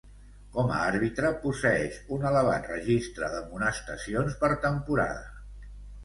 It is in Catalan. Com a àrbitre, posseeix un elevat registre d'amonestacions per temporada.